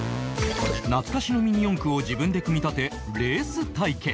懐かしのミニ四駆を自分で組み立てレース対決。